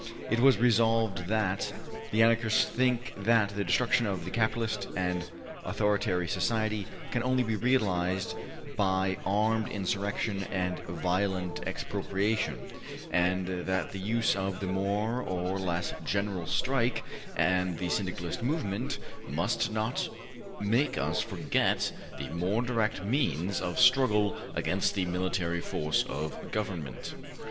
'' It was resolved that ``the Anarchists think that the destruction of the capitalist and authoritary society can only be realized by armed insurrection and violent expropriation, and that the use of the more or less General Strike and the Syndicalist movement must not make us forget the more direct means of struggle against the military force of government.''